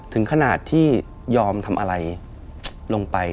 ถึงขนาดที่ยอมทำอะไรลงไป